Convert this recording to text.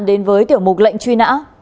đến với tiểu mục lệnh truy nã